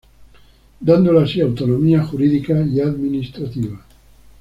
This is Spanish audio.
Dándole así autonomía jurídica y administrativa.